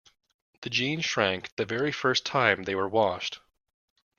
The jeans shrank the very first time they were washed.